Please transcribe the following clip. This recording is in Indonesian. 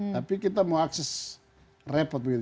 tapi kita mau akses repot begitu